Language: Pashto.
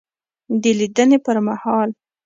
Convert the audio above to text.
دلیدني پر مهال